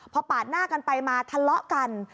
พอปาดหน้ากันไปมาทะเลาะกัน